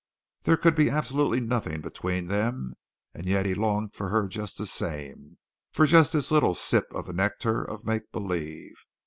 There could be absolutely nothing between them, and yet he longed for her just the same, for just this little sip of the nectar of make believe.